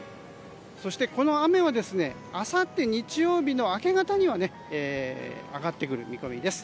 この雨はあさって日曜日の明け方にはあがってくる見込みです。